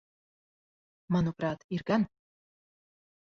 Manuprāt, ir gan.